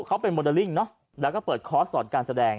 เขาเป็นโมเดลลิ่งเนอะแล้วก็เปิดคอร์สสอนการแสดง